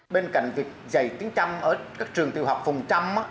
bên cạnh việc dạy tiếng trăm ở các trường tiêu học phùng trăm